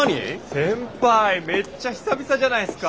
先輩めっちゃ久々じゃないすか。